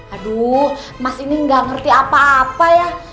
aduh mas ini nggak ngerti apa apa ya